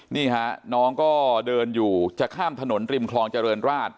นี่ฮะน้องก็เดินอยู่จะข้ามถนนริมคลองเจริญราช